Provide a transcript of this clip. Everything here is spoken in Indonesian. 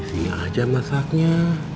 di sini aja masaknya